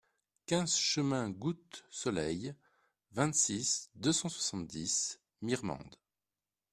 quinze chemin Goutte Soleil, vingt-six, deux cent soixante-dix, Mirmande